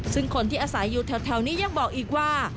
ซึ่งคนที่อาศัยอยู่แถวนี้ยังบอกอีกว่า